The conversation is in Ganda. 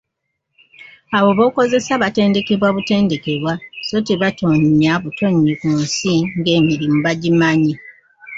Abo b'okozesa baatendekebwa butendekebwa so tebaatonya butonyi ku nsi ng'emirimu bagimanyi !